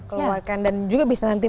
keluarkan dan juga bisa nanti